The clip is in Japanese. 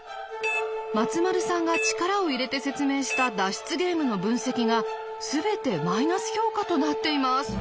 松丸さんが力を入れて説明した脱出ゲームの分析が全てマイナス評価となっています。